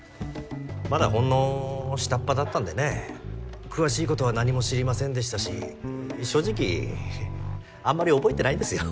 まだほんの下っ端だったんでね詳しいことは何も知りませんでしたし正直ははっあんまり覚えてないんですよ。